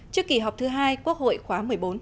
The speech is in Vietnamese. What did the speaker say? trước kỳ họp thứ hai quốc hội khóa một mươi bốn